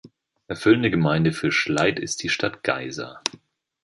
Erfüllende Gemeinde für Schleid ist die Stadt Geisa.